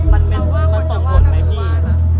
มันสนผลไหมพี่